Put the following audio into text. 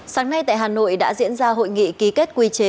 sáng nay tại hà nội đã diễn ra hội nghị ký kết quy chế